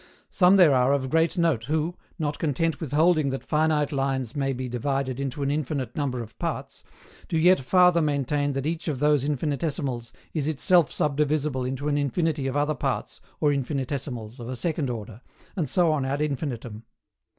Some there are of great note who, not content with holding that finite lines may be divided into an infinite number of parts, do yet farther maintain that each of those infinitesimals is itself subdivisible into an infinity of other parts or infinitesimals of a second order, and so on ad infinitum.